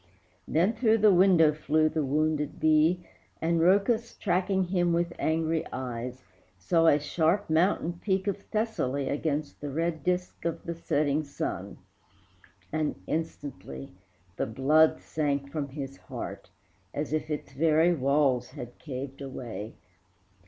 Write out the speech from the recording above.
Then through the window flew the wounded bee, And Rhœcus, tracking him with angry eyes, Saw a sharp mountain peak of Thessaly Against the red disc of the setting sun, And instantly the blood sank from his heart, As if its very walls had caved away.